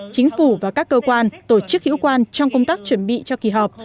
chính phủ và các cơ quan tổ chức hữu quan trong công tác chuẩn bị cho kỳ họp